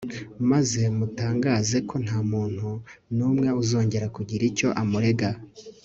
maze mutangaze ko nta muntu n'umwe uzongera kugira icyo amurega